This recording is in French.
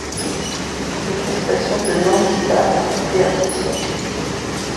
Les prestations de Nandita ont été appréciées.